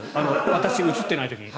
私が映ってない時に。